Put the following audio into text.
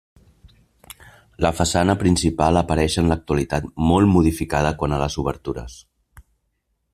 La façana principal apareix en l'actualitat molt modificada quant a les obertures.